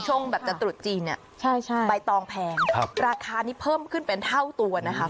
ช่วงแบบจะตรุษจีนเนี่ยใบตองแพงราคานี้เพิ่มขึ้นเป็นเท่าตัวนะคะ